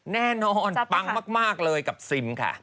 แน่นอนปังมากเลยกับซิมค่ะ